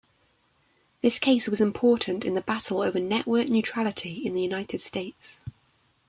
This case was important in the battle over network neutrality in the United States.